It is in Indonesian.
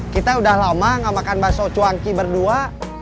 kita udah lama gak makan bakso cuangki berdua